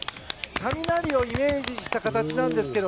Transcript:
雷をイメージした形なんですけど。